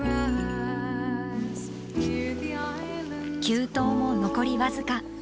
急登も残り僅か。